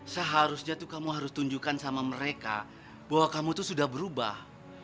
seharusnya tuh kamu harus tunjukkan sama mereka bahwa kamu tuh sudah berubah